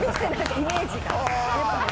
イメージが。